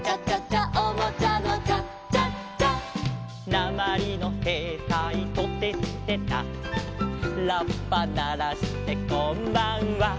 「なまりのへいたいトテチテタ」「ラッパならしてこんばんは」